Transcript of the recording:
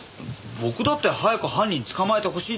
僕だって早く犯人捕まえてほしいですから。